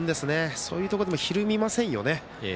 そういうところでもひるみませんよね。